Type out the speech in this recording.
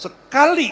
saya akan menang